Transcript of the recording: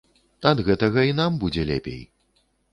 Ад гэтага і нам будзе лепей.